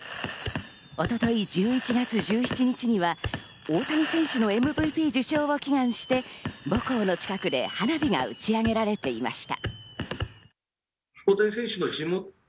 一昨日１１月１７日には大谷選手のＭＶＰ受賞を祈願して母校の近くで花火が打ち上げられていました。